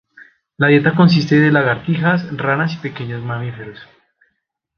La dieta consiste de lagartijas, ranas y pequeños mamíferos.